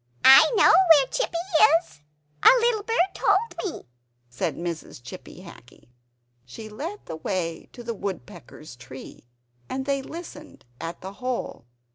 "I know where Chippy is; a little bird told me," said Mrs. Chippy Hackee. She led the way to the woodpecker's tree, and they listened at the hole.